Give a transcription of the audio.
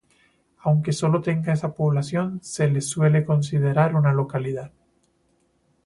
Aunque solo tenga esa población se le suele considerar una localidad.